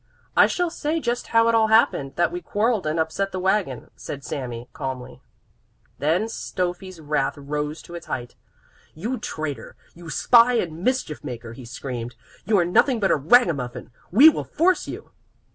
"I shall say just how it all happened, that we quarreled, and upset the wagon," said Sami calmly. Then Steffi's wrath rose to its height. "You traitor, you spy and mischief maker!" he screamed. "You are nothing but a ragamuffin. We will force you."